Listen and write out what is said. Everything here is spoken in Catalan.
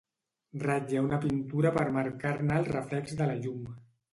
Ratlla una pintura per marcar-ne el reflex de la llum.